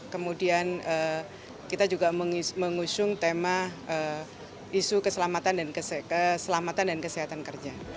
kemudian kita juga mengusung tema isu keselamatan dan kesehatan kerja